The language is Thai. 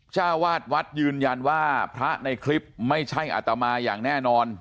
เจ้าวาดวัดยืนยันว่าพระในคลิปไม่ใช่อัตมาอย่างแน่นอน